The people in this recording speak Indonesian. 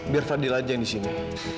biar fadil aja yang disini